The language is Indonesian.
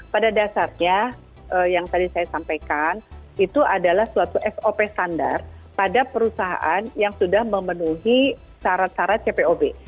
pada dasarnya yang tadi saya sampaikan itu adalah suatu sop standar pada perusahaan yang sudah memenuhi syarat syarat cpob